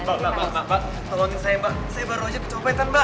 mbak mbak mbak mbak tolongin saya mbak saya baru aja ke cobaan mbak